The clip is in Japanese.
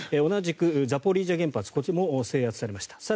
同じくザポリージャ原発こっちも制圧されました。